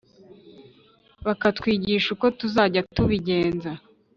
bakatwigisha uko tuzajya tubigenza.